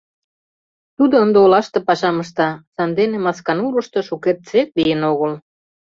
Тудо ынде олаште пашам ышта, сандене Масканурышто шукертсек лийын огыл.